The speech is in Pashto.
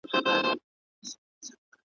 د طبیب له نامردیه خپل پرهار ته غزل لیکم ,